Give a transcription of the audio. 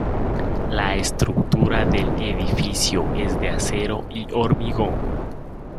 La estructura del edificio es de acero y hormigón.